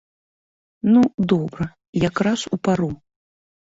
Ну, добра, якраз у пару.